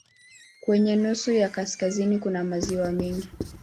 Kwenye nusu ya kaskazini kuna maziwa mengi.